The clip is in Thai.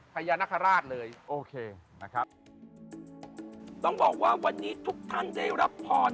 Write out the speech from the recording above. พญานาคาราชเลยโอเคนะครับต้องบอกว่าวันนี้ทุกท่านได้รับพร